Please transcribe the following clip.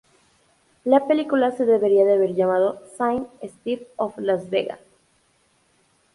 La película se debería haber llamado "Saint Steve of Las Vegas"".